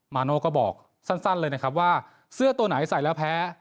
มาโน่ก็บอกสั้นเลยนะครับว่าเสื้อตัวไหนใส่แล้วแพ้